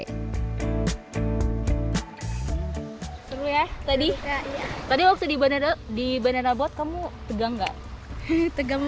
terus biji saya tak banyak diserang